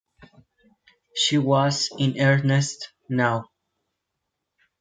She was in earnest now.